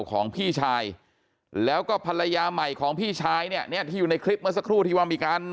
ของพี่ชายแล้วก็ภรรยาใหม่ของพี่ชายเนี่ยที่อยู่ในคลิปเมื่อสักครู่ที่ว่ามีการ